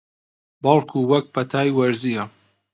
بەڵکوو وەک پەتای وەرزییە